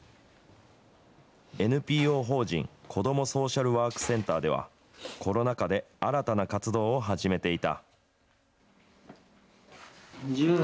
ＮＰＯ法人こどもソーシャルワークセンターでは、コロナ禍で新たな活動を始めていた。